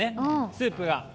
スープが。